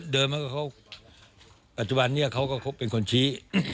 เดิมมันก็เขาปัจจุบันนี้เขาก็เป็นคนชี้